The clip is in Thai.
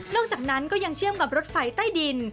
จากนั้นก็ยังเชื่อมกับรถไฟใต้ดิน